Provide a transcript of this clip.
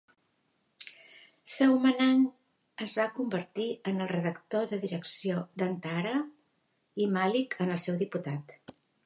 Soemanang es va convertir en el redactor de direcció d'Antara i Malik en el seu diputat.